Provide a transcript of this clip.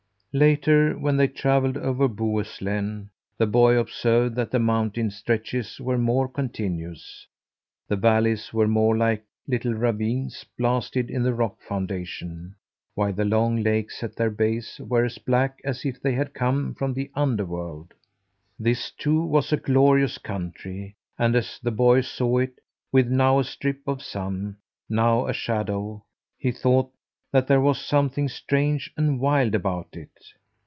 Later, when they travelled over Bohuslän, the boy observed that the mountain stretches were more continuous, the valleys were more like little ravines blasted in the rock foundation, while the long lakes at their base were as black as if they had come from the underworld. This, too, was a glorious country, and as the boy saw it, with now a strip of sun, now a shadow, he thought that there was something strange and wild about it.